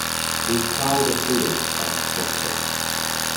We plough the fields and scatter.